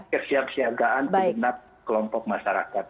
kesiapsiagaan segenap kelompok masyarakat